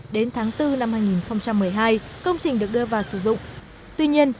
đến tháng bốn năm hai nghìn một mươi hai công trình được đưa vào sử dụng